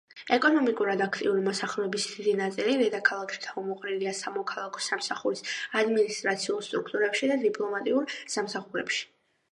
ეკონომიკურად აქტიური მოსახლეობის დიდი ნაწილი დედაქალაქში თავმოყრილია სამოქალაქო სამსახურის ადმინისტრაციულ სტრუქტურებში და დიპლომატიურ სამსახურებში.